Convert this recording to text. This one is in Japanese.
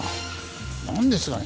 何ですかね